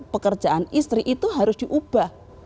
pekerjaan istri itu harus diubah